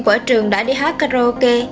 của trường đã đi hát karaoke